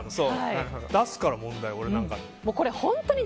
出すから問題、俺なんかに。